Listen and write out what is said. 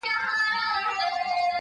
دا څو شپې کيږي په خوب هره شپه موسی وينم!